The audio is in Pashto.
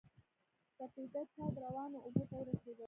سپېده چاود روانو اوبو ته ورسېدل.